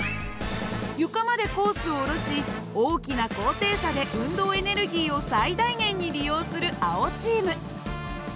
床までコースを下ろし大きな高低差で運動エネルギーを最大限に利用する青チーム。